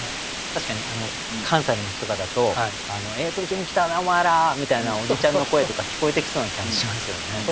確かに関西の町とかだと「ええ時に来たなお前ら！」みたいなおじちゃんの声とか聞こえてきそうな感じしますよね。